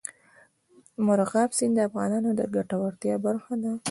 مورغاب سیند د افغانانو د ګټورتیا برخه ده.